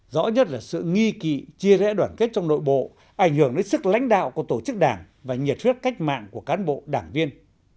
rõ nhất là sự nghi kỵ chia rẽ đoàn kết trong nội bộ ảnh hưởng đến sức lãnh đạo của tổ chức đảng và nhiệt huyết cách mạng của cán bộ đảng viên